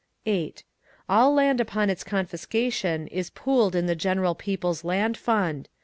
8. All land upon its confiscation is pooled in the general People's Land Fund.